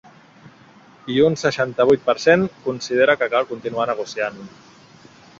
I un seixanta-vuit per cent considera que cal continuar negociant.